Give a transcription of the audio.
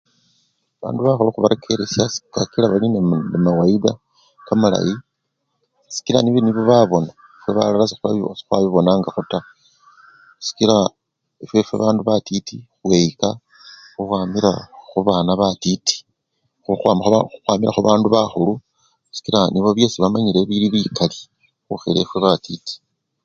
Bandu bakhulu khubarekeresya kakila bali nende ma! mawayida kamalayi sikila bindu nibyo nibo babona fwe balala sekhw! sekhwabibonangakho taa, sikila efwefwe bandu batiti khwiyika khukhwamila khubana batiti! khu! khukhwamila khubandu bakhulu sikila nibo byesi bamanyile bili bikali khukhila efwe batiti.